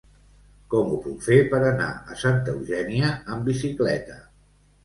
Com ho puc fer per anar a Santa Eugènia amb bicicleta?